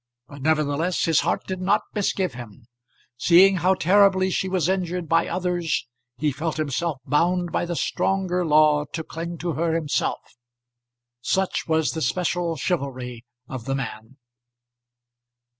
But nevertheless his heart did not misgive him. Seeing how terribly she was injured by others, he felt himself bound by the stronger law to cling to her himself. Such was the special chivalry of the man.